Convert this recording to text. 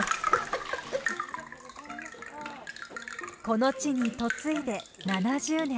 この地に嫁いで７０年。